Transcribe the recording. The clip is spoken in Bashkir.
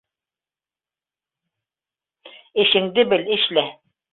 Эшеңде бел, эшлә!